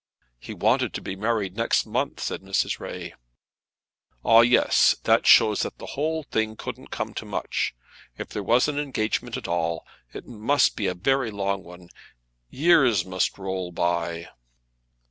"He wanted to be married next month," said Mrs. Ray. "Ah, yes; that shows that the whole thing couldn't come to much. If there was an engagement at all, it must be a very long one. Years must roll by."